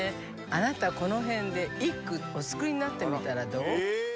あなたこの辺で一句お作りになってみたらどう？